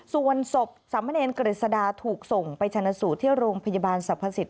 ส่วนศพสามเมินเอนเกรษฎาถูกส่งไปชนะสู่ที่โรงพยาบาลสรรพสิทธิ์